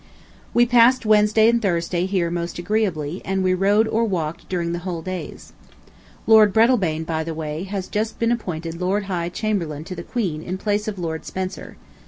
We passed Wednesday and Thursday here most agreeably, and we rode or walked during the whole days. Lord Breadalbane, by the way, has just been appointed Lord High Chamberlain to the Queen in place of Lord Spencer.